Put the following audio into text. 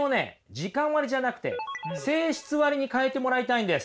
時間割じゃなくて性質割に変えてもらいたいんです。